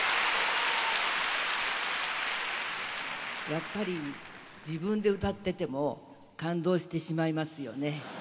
やっぱり自分で歌ってても感動してしまいますよね。